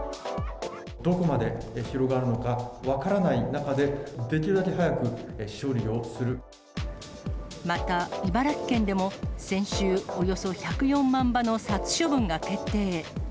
どこまで広がるのか分からない中で、また茨城県でも、先週、およそ１０４万羽の殺処分が決定。